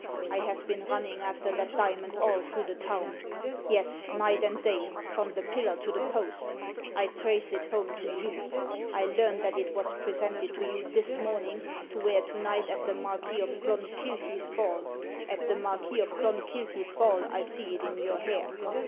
" I have been running after that diamond all through the town — yes, night and day — from the pillar to the post I trace it home to you. I learn that it was presented to you this morning to wear to night at the Marquis of Clonkilty's ball. At the Marquis of Clonkilty's ball I see it in your hair."